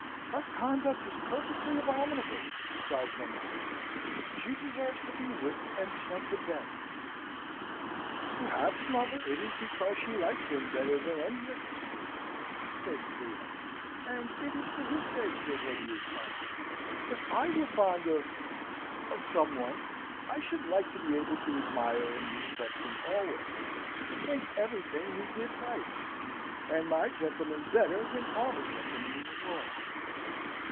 "Her conduct is perfectly abominable!" cries mamma; "she deserves to be whipped, and sent to bed." "Perhaps, mother, it is because she likes him better than any of us do," says Theo, "and it is for his sake that Hetty is angry. If I were fond of of some one, I should like to be able to admire and respect him always to think everything he did right and my gentleman better than all the gentlemen in the world."